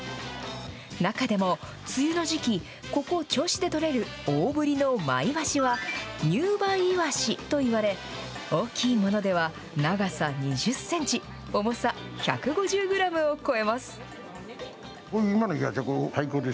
中でも梅雨の時期、ここ、銚子で取れる大ぶりのマイワシは、入梅いわしといわれ、大きいものでは長さ２０センチ、重さ１５０グラムを超えます。